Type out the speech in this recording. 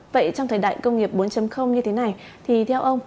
vậy trong thời đại công nghiệp bốn như thế này thì theo ông